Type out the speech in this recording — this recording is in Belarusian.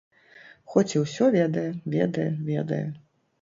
Хоць і ўсё ведае, ведае, ведае.